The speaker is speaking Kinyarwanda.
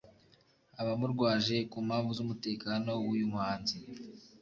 abamurwaje ku mpamvu z'umutekano w'uyu muhanzi